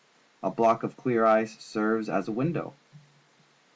A block of clear ice serves as a window.